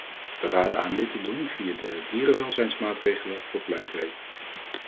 We raden aan dit te doen via de dierwelzijnsmaatregelen voor pluimvee.